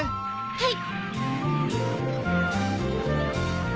はい！